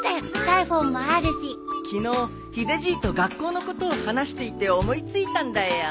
昨日ヒデじいと学校のことを話していて思いついたんだよ。